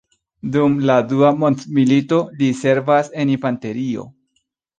Dum la Dua Mondmilito, li servas en infanterio.